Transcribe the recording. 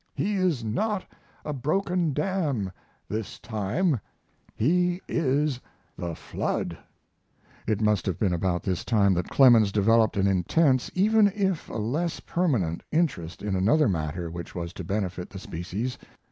He is not a broken dam this time he is the Flood! It must have been about this time that Clemens developed an intense, even if a less permanent, interest in another matter which was to benefit the species.